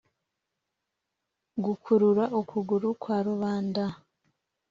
gukurura ukuguru kwa rubanda)